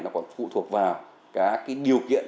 nó còn phụ thuộc vào các cái điều kiện